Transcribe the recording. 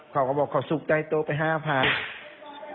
เขาก็บอกขอสุกใจโต๊ะไป๕พันธุ์